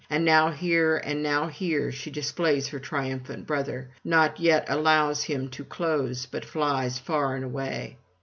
And now here and now here she displays her triumphant brother, nor yet allows him to close, but flies far and away.